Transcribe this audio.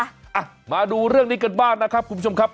อ่ะมาดูเรื่องนี้กันบ้างนะครับคุณผู้ชมครับ